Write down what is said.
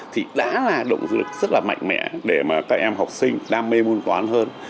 thì đã là động lực rất là mạnh mẽ để mà các em học sinh đam mê môn toán hơn